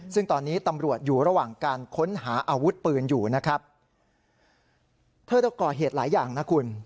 ซึ่งตอนนี้ตำรวจอยู่ระหว่างการค้นหาอาวุธปืนอยู่นะครับเธอก็ก่อเหตุหลายอย่างนะคุณ